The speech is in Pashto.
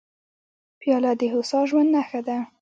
پیاله د هوسا ژوند نښه ده.